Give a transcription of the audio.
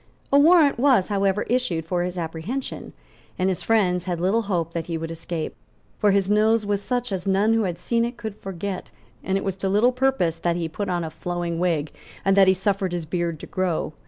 A warrant was however issued for his apprehension; and his friends had little hope that he would escape; for his nose was such as none who had seen it could forget; and it was to little purpose that he put on a flowing wig and that he suffered his beard to grow.